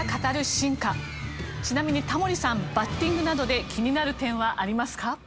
ちなみにタモリさんバッティングなどで気になる点はありますか？